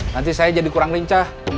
nanti saya jadi kurang lincah